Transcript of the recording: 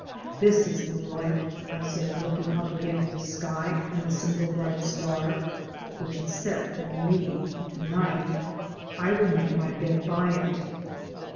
"This is the light," I said looking up again at the sky and the single bright star, "which is set for me to night. I will make my bed by it."